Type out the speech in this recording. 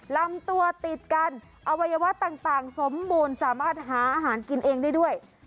ลำตัวติดกันอวัยวะต่างสมบูรณ์สามารถหาอาหารกินเองได้ด้วย